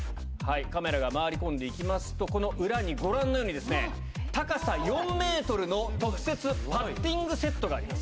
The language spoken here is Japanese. カメラが回り込んでいきますと、この裏に、ご覧のように、高さ４メートルの特設パッティングセットがあります。